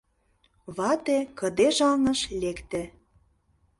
Вате кыдеж аҥыш лекте.